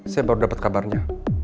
saya baru dapat kabarnya